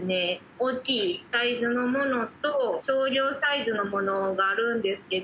大きいサイズのものと、少量サイズのものがあるんですけど。